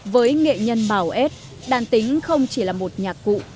với nghệ nhân mào ết đàn tính không chỉ là một nhạc cụ